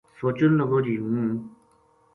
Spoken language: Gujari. سوچن لگو جی ہوں